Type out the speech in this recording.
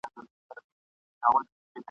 انټرنیټ اړیکې اسانه کوي.